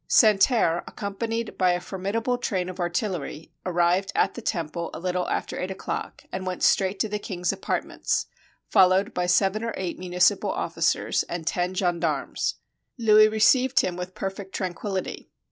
Santerre, accompanied by a formidable train of artil lery, arrived at the Temple a little after eight o'clock, and went straight to the king's apartments, followed by seven or eight municipal officers and ten gendarmes. Louis received him with perfect tranquillity.